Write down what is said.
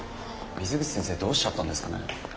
水口先生どうしちゃったんですかね。